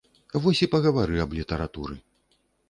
Вось і пагавары аб літаратуры!